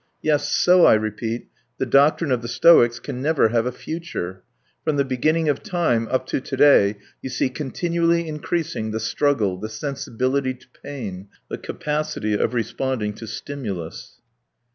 Yes, so, I repeat, the doctrine of the Stoics can never have a future; from the beginning of time up to to day you see continually increasing the struggle, the sensibility to pain, the capacity of responding to stimulus."